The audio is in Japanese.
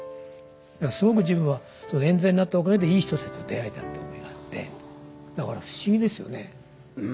すごく自分はえん罪になったおかげでいい人たちと出会えたって思いがあってだから不思議ですよね。